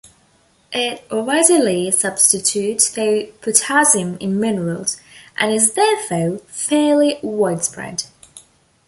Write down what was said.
It readily substitutes for potassium in minerals, and is therefore fairly widespread.